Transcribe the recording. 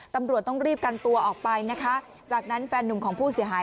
ตำรวจต้องรีบกันตัวออกไปนะคะจากนั้นแฟนหนุ่มของผู้เสียหาย